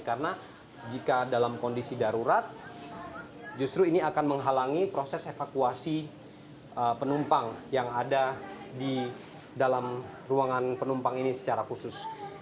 karena jika dalam kondisi darurat justru ini akan menghalangi proses evakuasi penumpang yang ada di dalam ruangan penumpang ini secara khusus